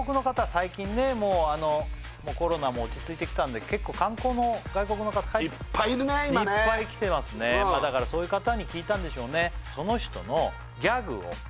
最近ねもうコロナも落ち着いてきたので結構いっぱい来てますねだからそういう方に聞いたんでしょうね